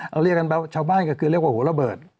เรียกกันว่าชาวบ้านก็คือเรียกว่าหัวระเบิด